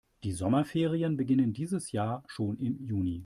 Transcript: Die Sommerferien beginnen dieses Jahr schon im Juni.